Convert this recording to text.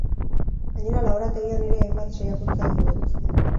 Gainera, laborategian ere hainbat saiakuntza egingo dituzte.